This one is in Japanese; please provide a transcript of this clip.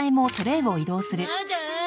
まだ？